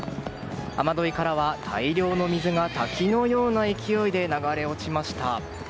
雨どいからは大量の水が滝のような勢いで流れ落ちました。